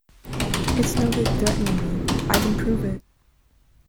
It's no good threatening me. I can prove it!